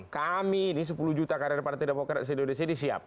kami ini sepuluh juta karir partai demokrat di indonesia ini siap